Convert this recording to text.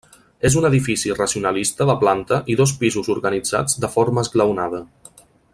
És un edifici racionalista de planta i dos pisos organitzats de forma esglaonada.